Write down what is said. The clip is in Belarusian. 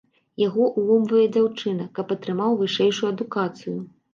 Яго ўломвае дзяўчына, каб атрымаў вышэйшую адукацыю.